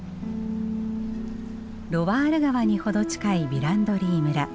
ロワール川に程近いヴィランドリー村。